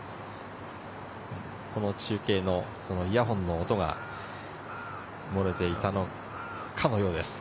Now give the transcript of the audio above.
中継のイヤホンの音が漏れていたかのようです。